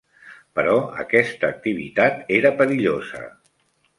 Però aquesta activitat era perillosa.